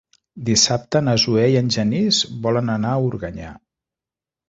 Dissabte na Zoè i en Genís volen anar a Organyà.